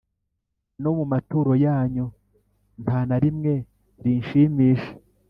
no mu maturo yanyu nta na rimwe rinshimisha;